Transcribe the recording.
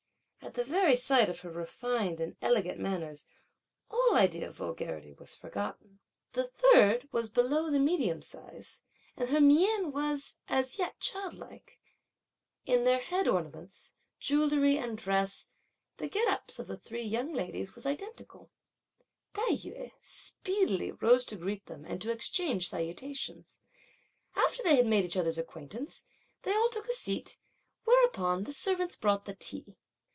At the very sight of her refined and elegant manners all idea of vulgarity was forgotten. The third was below the medium size, and her mien was, as yet, childlike. In their head ornaments, jewelry, and dress, the get up of the three young ladies was identical. Tai yü speedily rose to greet them and to exchange salutations. After they had made each other's acquaintance, they all took a seat, whereupon the servants brought the tea.